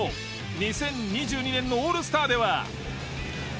２０２２年のオールスターでは。